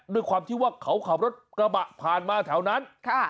ด้วยความที่ว่าเขาขับรถกระบะผ่านมาแถวนั้น